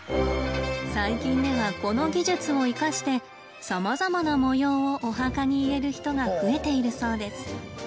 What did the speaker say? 最近ではこの技術を生かしてさまざまな模様をお墓に入れる人が増えているそうです。